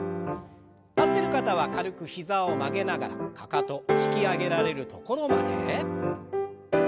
立ってる方は軽く膝を曲げながらかかと引き上げられるところまで。